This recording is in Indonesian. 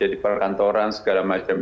jadi pergantoran segala macam